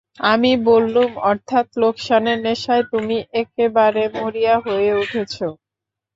আমি বললুম, অর্থাৎ লোকসানের নেশায় তুমি একেবারে মরিয়া হয়ে উঠেছ।